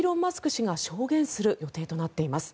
氏が証言する予定となっています。